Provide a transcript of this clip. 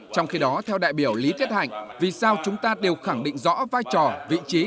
trong khi đó theo đại biểu lý thiết hạnh vì sao chúng ta đều khẳng định rõ vai trò vị trí